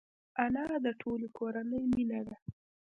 انا د ټولې کورنۍ مینه ده